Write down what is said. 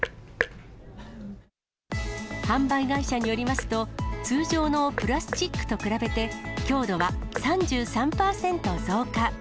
販売会社によりますと、通常のプラスチックと比べて、強度は３３％増加。